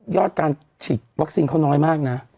อดการฉีดวัคซีนเขาน้อยมากนะ